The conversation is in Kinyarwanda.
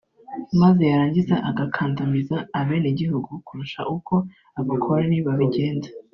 maze yarangiza agakandamiza abenegihugu kurusha uko abakoloni babigenza